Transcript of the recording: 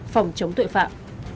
phòng chống tội phạm